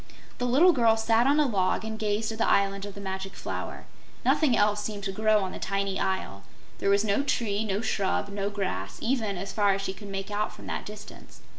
The little girl sat down on a log and gazed at the Island of the Magic Flower. Nothing else seemed to grow on the tiny isle. There was no tree, no shrub, no grass, even, as far as she could make out from that distance.